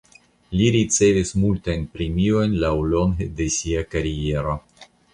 Li ricevis multajn premiojn laŭlonge de sia kariero.